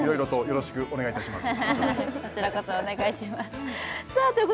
よろしくお願いします